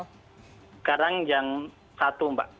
sekarang jam satu mbak